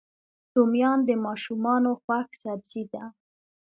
رومیان د ماشومانو خوښ سبزي ده